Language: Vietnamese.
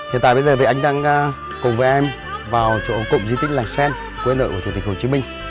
hiện tại bây giờ thì anh đang cùng với em vào chỗ cụm di tích lành xen quê nợ của chủ tịch hồ chí minh